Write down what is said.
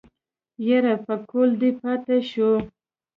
يره پکول دې پاتې شو.